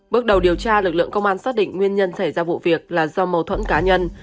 bước đầu điều tra lực lượng công an xác định nguyên nhân xảy ra vụ việc là do mâu thuẫn cá nhân